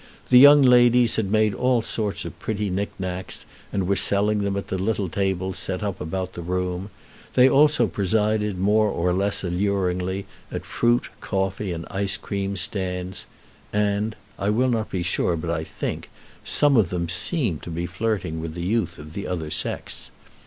The young ladies had made all sorts of pretty knick knacks, and were selling them at the little tables set about the room; they also presided, more or less alluringly, at fruit, coffee, and ice cream stands; and I will not be sure, but I think some of them seemed to be flirting with the youth of the other sex.